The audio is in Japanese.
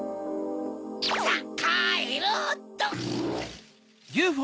さっかえろっと！